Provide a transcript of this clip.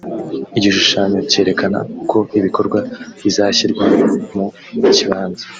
igishusahanyo cyererekana uko ibikorwa bizashyirwa mu kibanza